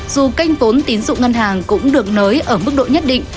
dù kênh vốn tín dụng ngân hàng cũng được nới ở mức độ nhất định